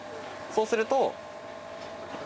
そうすると。